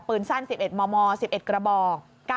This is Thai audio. สั้น๑๑มม๑๑กระบอก